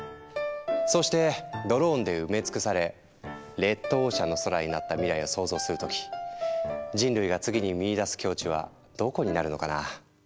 そうしてドローンで埋め尽くされレッドオーシャンの空になった未来を想像する時人類が次に見いだす境地はどこになるのかな。